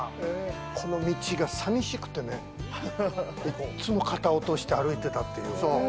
この道がさみしくてね、いつも肩落として歩いてたっていう。